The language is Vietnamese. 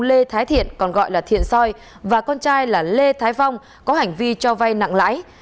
lê thái thiện còn gọi là thiện soi và con trai là lê thái phong có hành vi cho vay nặng lãi